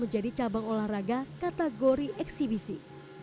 menjadi cabang olahraga kategori eksibisi